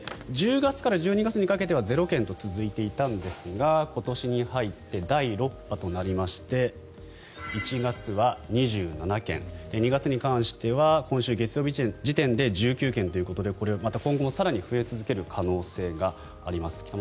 １０月から１２月にかけては０件と続いていたんですが今年に入って第６波となりまして１月は２７件２月に関しては今週月曜日時点で１９件ということでこれはまた今後も更に増え続ける可能性があります。